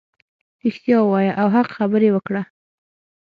رښتیا ووایه او حق خبرې وکړه .